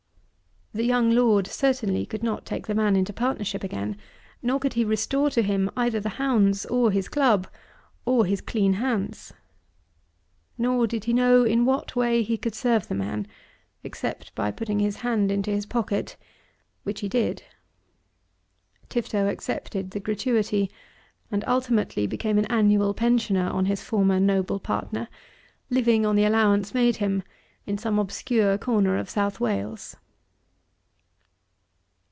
The young Lord certainly could not take the man into partnership again, nor could he restore to him either the hounds or his club, or his clean hands. Nor did he know in what way he could serve the man, except by putting his hand into his pocket, which he did. Tifto accepted the gratuity, and ultimately became an annual pensioner on his former noble partner, living on the allowance made him in some obscure corner of South Wales.